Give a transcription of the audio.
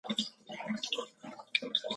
ښوونځی د همکارۍ درس ورکوي